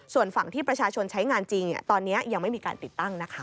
ส่วนฝั่งที่ประชาชนใช้งานจริงตอนนี้ยังไม่มีการติดตั้งนะคะ